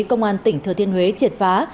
công an tỉnh thừa thiên huế triệt phá